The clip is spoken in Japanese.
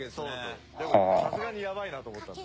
でもさすがにやばいなと思ったので。